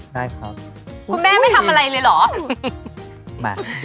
ได้ครับคุณแม่ไม่ทำอะไรเลยเหรอ